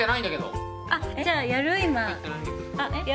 じゃあやる？